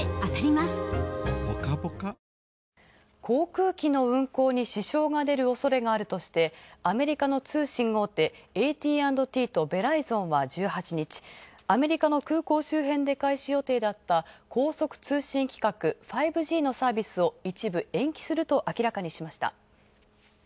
航空機の運航に支障が出る恐れがあるとしてアメリカの通信大手ＡＴ＆Ｔとベライゾンは１８日、アメリカの空港周辺で開始予定だった高速通信規格５Ｇのサービスを一部延期すると明らかにしました。